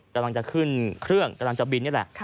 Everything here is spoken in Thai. กำลังจะขึ้นเครื่องกำลังจะบินนี่แหละ